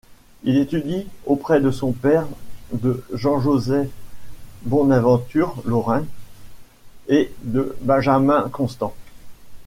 Il étudie auprès de son père, de Jean-Joseph Bonaventure Laurens et de Benjamin-Constant.